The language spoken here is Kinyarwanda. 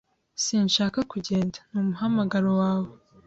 "Sinshaka kugenda." "Ni umuhamagaro wawe."